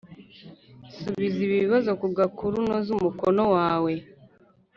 Subiza ibi bibazo ku gakuru unoza umukono wawe